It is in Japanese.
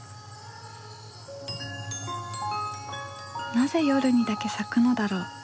なぜ夜にだけ咲くのだろう？